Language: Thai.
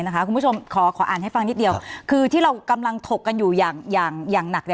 คุณผู้ชมขออ่านให้ฟังนิดเดียวคือที่เรากำลังถกกันอยู่อย่างหนัก